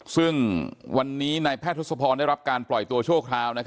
ซึ่งวันนี้นายแพทย์ทศพรได้รับการปล่อยตัวชั่วคราว